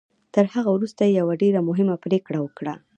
تر هغه وروسته يې يوه ډېره مهمه پريکړه وکړه.